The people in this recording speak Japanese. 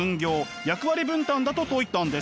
役割分担だと説いたんです。